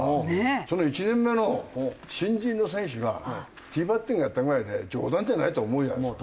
そんな１年目の新人の選手がティーバッティングやったぐらいで冗談じゃないって思うじゃないですか。